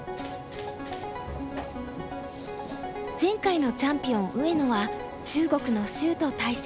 前回のチャンピオン上野は中国の周と対戦。